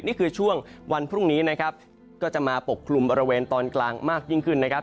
นี่คือช่วงวันพรุ่งนี้นะครับก็จะมาปกคลุมบริเวณตอนกลางมากยิ่งขึ้นนะครับ